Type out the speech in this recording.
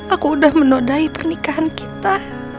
aku udah menodai pernikahan kita